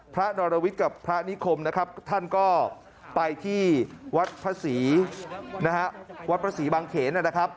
พระอรวิทย์กับพระนิคมท่านก็ไปที่วัดพระศรีบางเขน